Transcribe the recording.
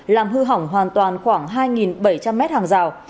làm hư hỏng hoàn toàn khoảng hai bảy trăm linh m hàng rào